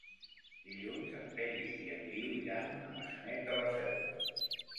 Dilluns en Peris i en Guiu iran a Maçanet de la Selva.